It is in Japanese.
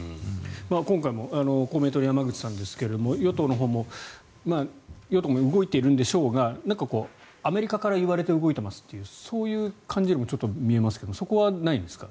今回も公明党の山口さんですけれども与党のほうも動いているんでしょうがなんか、アメリカから言われて動いてますっていうそういう感じにもちょっと見えますけれどもそこはないんですか？